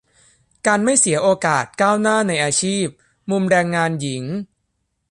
- การไม่เสียโอกาสก้าวหน้าในอาชีพ มุมแรงงานหญิง